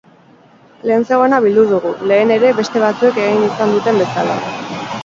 Lehen zegoena bildu dugu, lehen ere beste batzuek egin izan duten bezala.